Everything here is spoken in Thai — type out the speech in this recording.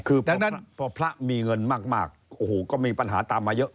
เพราะฉะนั้นพอพระมีเงินมากโอ้โหก็มีปัญหาตามมาเยอะ